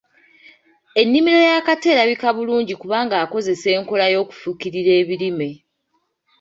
Ennimiro ya Kato erabika bulungi kubanga akozesa enkola y’okufukirira ebirime.